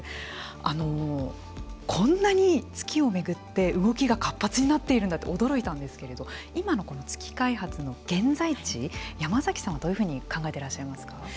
あのこんなに月を巡って動きが活発になっているんだって驚いたんですけれど今のこの月開発の現在地山崎さんはどういうふうに考えていらっしゃいますか。